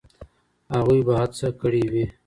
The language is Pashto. هغوی به هڅه کړې وي.